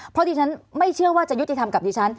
เพราะดิฉันไม่เชื่อว่าจะยุติธรรมกับดิฉัน